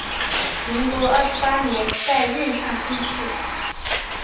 民国二十八年在任上病逝。